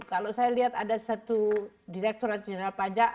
kalau saya lihat ada satu direkturat jenderal pajak